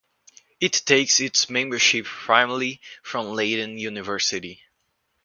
It takes its membership primarily from Leiden University.